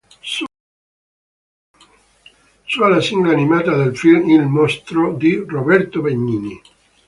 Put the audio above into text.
Sua la sigla animata del film Il mostro di Roberto Benigni.